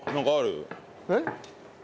えっ？